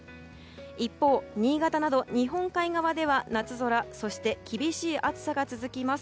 一方、新潟など日本海側では夏空そして、厳しい暑さが続きます。